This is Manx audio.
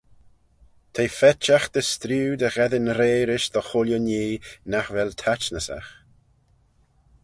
T'eh faitagh dy streeu dy gheddyn rea rish dy chooilley nhee nagh vel taitnysagh.